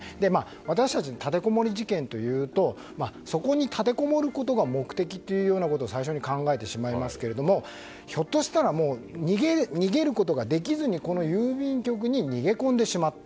私たち、立てこもり事件というとそこに立てこもることが目的というようなことを最初に考えてしまいますがひょっとしたらもう逃げることができずにこの郵便局に逃げ込んでしまった。